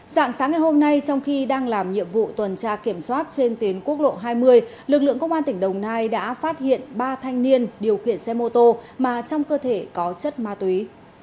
dạng sáng ngày hôm nay trong khi đang làm nhiệm vụ tuần tra kiểm soát trên tuyến quốc lộ hai mươi lực lượng công an tỉnh đồng nai đã phát hiện ba thanh niên điều khiển xe mô tô mà trong cơ thể có chất ma túy